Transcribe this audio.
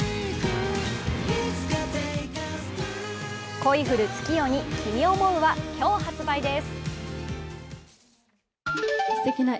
「恋降る月夜に君想ふ」は今日発売です。